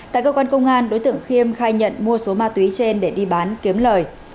tại cơ quan công an đối tượng khiêm khai nhận mua số ma túy trên để đi bán kiếm lời